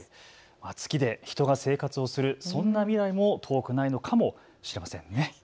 月で人が生活をするそんな未来も遠くないのかもしれませんね。